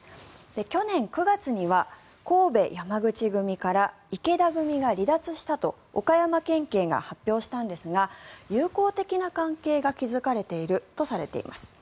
去年９月には神戸山口組から池田組が離脱したと岡山県警が発表したのですが友好的な関係が築かれているとされています。